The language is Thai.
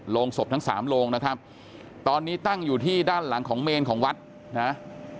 โรงศพทั้งสามโรงนะครับตอนนี้ตั้งอยู่ที่ด้านหลังของเมนของวัดนะ